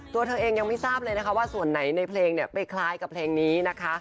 ตัวเธอเองยังไม่ทราบเลยนะคะว่าส่วนไหนในเพลงเนี่ยไปคล้ายกับเพลงนี้นะคะ